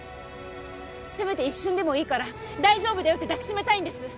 せめて一瞬でもいいから「大丈夫だよ」って抱きしめたいんです